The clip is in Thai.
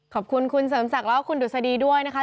ขอบคุณคุณเสริมศักดิ์แล้วก็คุณดุษฎีด้วยนะคะ